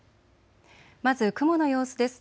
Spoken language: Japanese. まず雲の様子です。